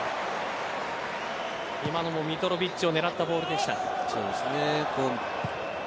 今のもミトロヴィッチを狙ったボールでした。